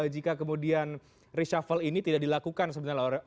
jika kemudian reshuffle ini tidak dilakukan sebenarnya orang lainnya